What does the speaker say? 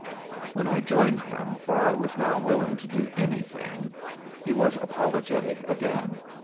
When I joined him, for I was now willing to do anything, he was apologetic again.